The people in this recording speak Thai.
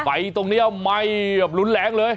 ไฟตรงนี้ไหม้แบบรุนแรงเลย